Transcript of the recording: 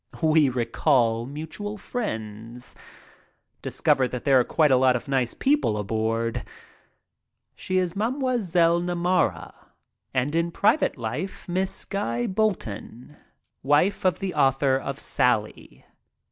We recall mutual friends. Discover that there are quite a lot of nice people aboard. She is Mme. Namara and in private life Mrs. Guy Bolton, wife of the author of "Sally."